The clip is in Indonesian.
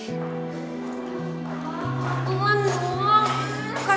pak kelan doang